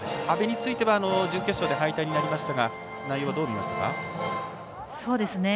阿部については準決勝で敗退となりましたが内容はどう見ましたか？